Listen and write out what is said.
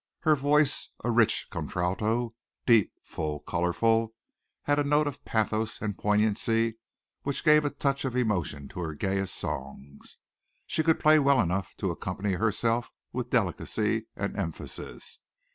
Her voice, a rich contralto, deep, full, colorful, had a note of pathos and poignancy which gave a touch of emotion to her gayest songs. She could play well enough to accompany herself with delicacy and emphasis.